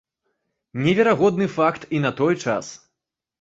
Неверагодны факт і на той час.